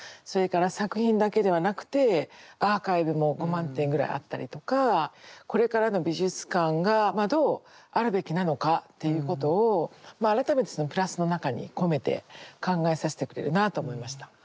それから作品だけではなくてアーカイブも５万点ぐらいあったりとかこれからの美術館がどうあるべきなのかっていうことをまあ改めてその「プラス」の中に込めて考えさせてくれるなと思いました。